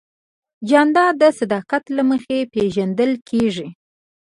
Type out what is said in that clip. جانداد د صداقت له مخې پېژندل کېږي.